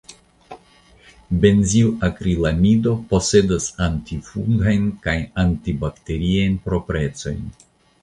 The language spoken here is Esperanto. Benzilakrilamido posedas antifungajn kaj antibakteriajn proprecojn.